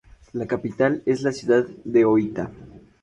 La capital es la ciudad de Ōita.